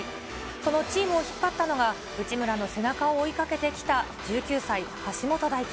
そのチームを引っ張ったのが、内村の背中を追いかけてきた１９歳、橋本大輝。